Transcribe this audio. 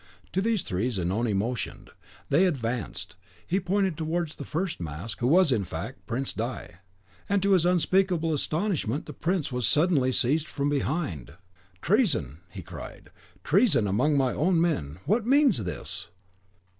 To these three Zanoni motioned; they advanced; he pointed towards the first mask, who was in fact the Prince di , and to his unspeakable astonishment the prince was suddenly seized from behind. "Treason!" he cried. "Treason among my own men! What means this?"